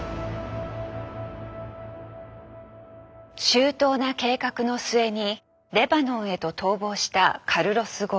周到な計画の末にレバノンへと逃亡したカルロス・ゴーン。